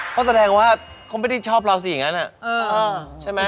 เพราะแสดงว่าคงไม่ได้ชอบเราสิอย่างนั้น